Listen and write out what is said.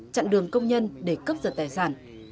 chặn đường công nhân để cướp giật tài sản